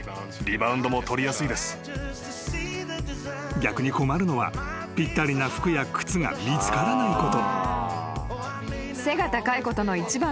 ［逆に困るのはぴったりな服や靴が見つからないこと］